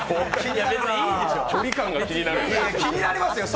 距離感が気になるよね。